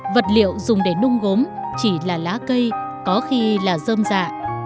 vật liệu dùng để nung gốm chỉ là lá cây có khi là dơm dạ